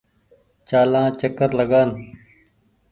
چآلآن چڪر لگآن ۔